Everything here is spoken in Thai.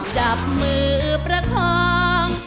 จับมือประคอง